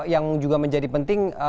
yang juga menjadi penting